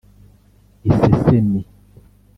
isesemi